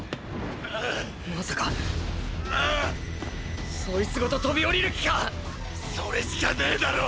まさかそいつごと飛び降りる気か⁉それしかねぇだろ！！